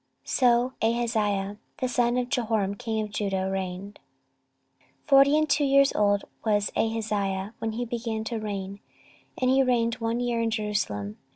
So Ahaziah the son of Jehoram king of Judah reigned. 14:022:002 Forty and two years old was Ahaziah when he began to reign, and he reigned one year in Jerusalem.